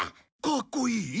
かっこいい？